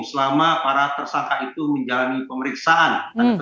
selama para tersangka itu menjalani pemeriksaan